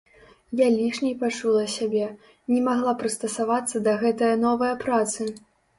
Я лішняй пачула сябе, не магла прыстасавацца да гэтае новае працы.